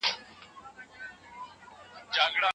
علم واقعيتونه راټولوي او په دقت يې څېړي.